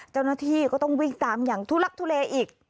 เจ้าหน้าที่ก็ต้องวิ่งตามอย่างทุลักทุเลอีก